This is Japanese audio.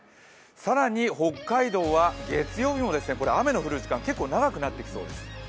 更に北海道は月曜日も雨の降る時間結構長くなってきそうです。